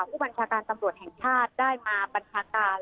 ผู้บัญชาการตำรวจแห่งชาติได้มาบัญชาการ